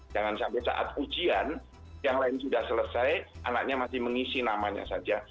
jangan sampai saat ujian yang lain sudah selesai anaknya masih mengisi namanya saja